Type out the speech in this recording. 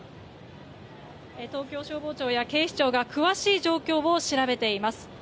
東京消防庁や警視庁が詳しい状況を調べています。